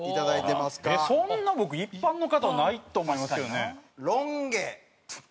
そんな僕一般の方ないと思いますけどね。